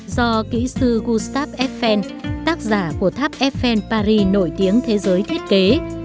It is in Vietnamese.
do kỹ sư gustave eiffel tác giả của tháp eiffel paris nổi tiếng thế giới thiết kế